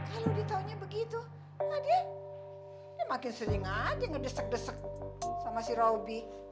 kalau ditaunya begitu madya ya makin sering aja ngedesek desek sama si robby